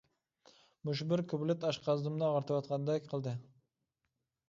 مۇشۇ بىر كۇپلېت ئاشقازىنىمنى ئاغرىتىۋاتقاندەك قىلدى.